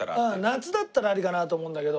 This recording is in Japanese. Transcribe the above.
夏だったらありかなと思うんだけど。